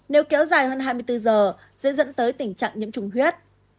nếu kéo dài hơn hai mươi bốn giờ sẽ dẫn tới tình trạng nhiễm trùng huyết